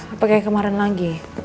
apa kayak kemarin lagi